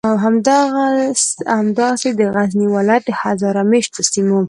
همداسې د غزنی ولایت د هزاره میشتو سیمو